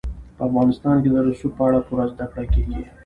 په افغانستان کې د رسوب په اړه پوره زده کړه کېږي.